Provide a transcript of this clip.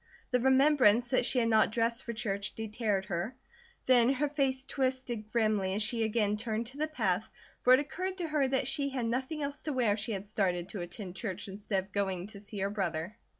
The remembrance that she had not dressed for church deterred her; then her face twisted grimly as she again turned to the path, for it occurred to her that she had nothing else to wear if she had started to attend church instead of going to see her brother.